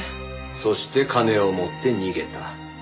そして金を持って逃げた。